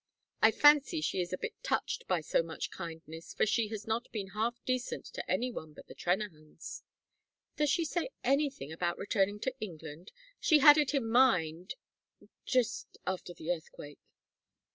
I fancy she is a bit touched by so much kindness, for she has not been half decent to any one but the Trennahans." "Does she say anything about returning to England? She had it in mind just after the earthquake."